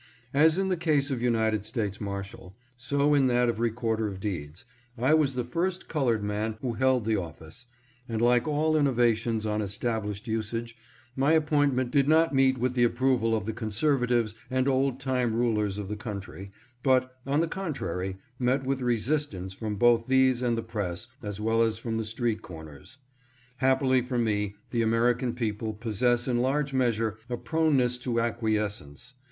As in the case of United States Marshal, so in that of Recorder of Deeds, I was the first colored man who held the office, and like all innovations on established usage, my appointment did not meet with the approval of the. conservatives and old time rulers of the country, but, on the contrary, met with resistance from both these and the press as well as from the street corners. Happily for me the American people possess in large measure a proneness to acquiescence.